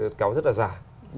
cái kéo rất là dài